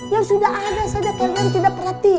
yang sudah ada saja kalian tidak perhatikan